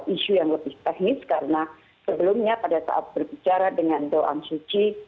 isu yang lebih teknis karena sebelumnya pada saat berbicara dengan doang suci